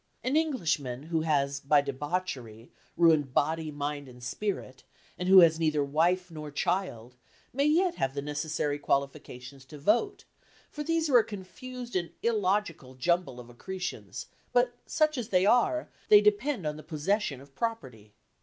An Englishman who has, by debauchery, ruined body, mind and spirit, and who has neither wife nor child, may yet have the necessary qualifications to vote, for these are a confused and illogical jumble of accretions, but, such as they are, they depend on the possession of property.